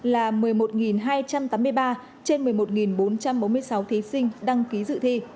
là một mươi một hai trăm tám mươi ba trên một mươi một bốn trăm bốn mươi sáu thí sinh đăng ký dự thi